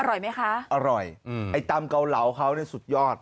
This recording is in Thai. อร่อยไหมคะอร่อยไอ้ตำเกาเหลาเขาสุดยอด